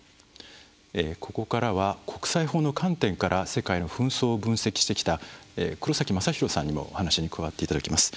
ここからは国際法の観点から世界の紛争を分析してきた黒崎将広さんにもお話に加わっていただきます。